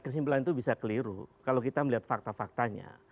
kesimpulan itu bisa keliru kalau kita melihat fakta faktanya